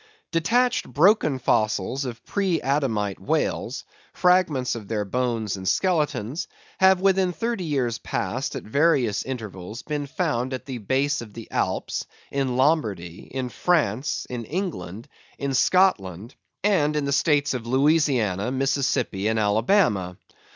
Detached broken fossils of pre adamite whales, fragments of their bones and skeletons, have within thirty years past, at various intervals, been found at the base of the Alps, in Lombardy, in France, in England, in Scotland, and in the States of Louisiana, Mississippi, and Alabama.